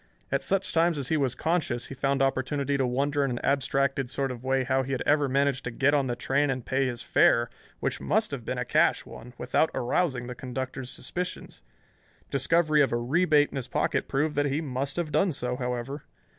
At such times as he was conscious he found opportunity to wonder in an abstracted sort of way how he had ever managed to get on the train and pay his fare, which must have been a cash one, without arousing the conductor's suspicions. Discovery of a rebate in his pocket proved that he must have done so, however.